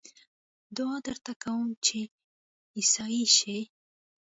دعا درته کووم چې عيسائي شې